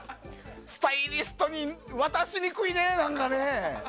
スタイリストに渡しにくいね何かね。